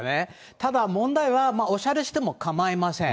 ただ問題は、おしゃれしても構いません。